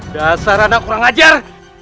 dasar anda kurang ajar